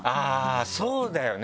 そうだよね